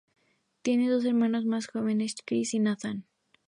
Tiene dos hermanos más jóvenes, Chris y Nathan.